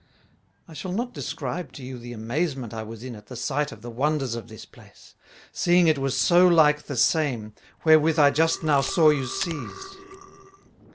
I shall not describe to you the amazement I was in at the sight of the wonders of this place, seeing it was so like the same, wherewith I just now saw you seized.